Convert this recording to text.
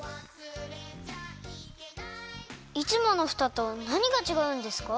いつものふたとなにがちがうんですか？